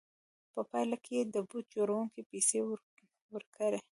په پایله کې یې د بوټ جوړوونکي پیسې ورکړې